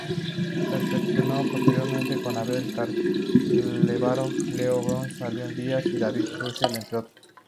Perfeccionó posteriormente con Abel Carlevaro, Leo Brouwer, Alirio Díaz y David Russell, entre otros.